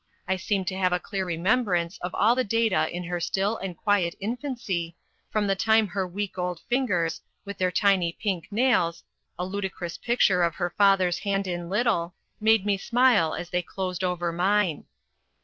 I seem to have a clear remembrance of all the data in her still and quiet infancy, from the time her week old fingers, with their tiny pink nails a ludicrous picture of her father's hand in little made me smile as they closed over mine.